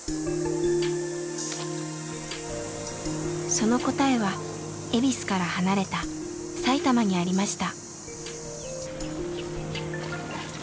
その答えは恵比寿から離れたさいたまにありました。